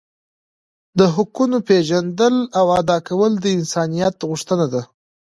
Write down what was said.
د حقونو پیژندل او ادا کول د انسانیت غوښتنه ده.